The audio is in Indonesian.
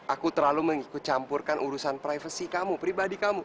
aku terlalu mengikucampurkan urusan privasi kamu pribadi kamu